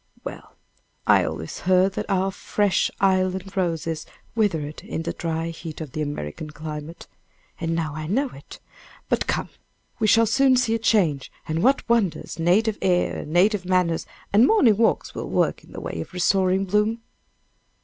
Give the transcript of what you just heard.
Well, I always heard that our fresh island roses withered in the dry heat of the American climate, and now I know it! But come! we shall soon see a change and what wonders native air and native manners and morning walks will work in the way of restoring bloom."